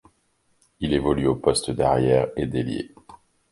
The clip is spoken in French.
Il évolue au poste d'arrière et d'ailier.